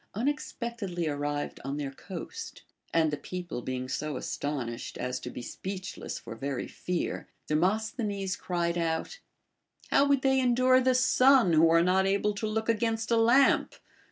unexpectedly arrived on their coast ; and the people being so astonished as to be speechless for very fear, Demos thenes cried out : How would they endure the sun, who are not able to look against a lamp